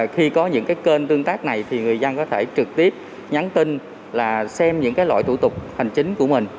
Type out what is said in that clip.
khi có những kênh tương tác này thì người dân có thể trực tiếp nhắn tin là xem những loại thủ tục hành chính của mình